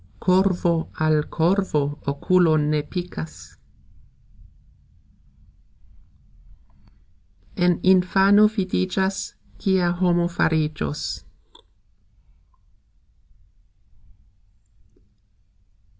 Korvo al korvo okulon ne pikas. En infano vidigxas, kia homo farigxos.